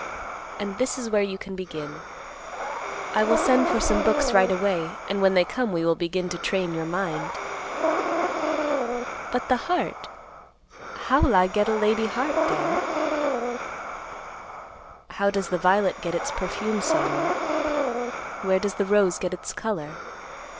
And this is where you can begin. I will send for some books right away, and when they come we will begin to train your mind." "But the heart, how'll I get a lady heart, Dad?" "How does the violet get its perfume, Sammy? Where does the rose get its color?